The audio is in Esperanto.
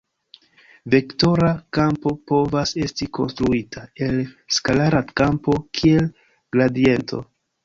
Vektora kampo povas esti konstruita el skalara kampo kiel gradiento.